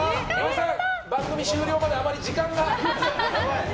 番組終了まであまり時間が。